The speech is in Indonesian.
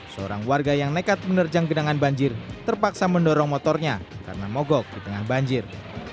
seorang warga yang nekat menerjang genangan banjir terpaksa mendorong motornya karena mogok di tengah banjir